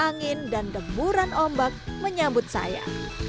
angin dan deburan ombak menyambut saya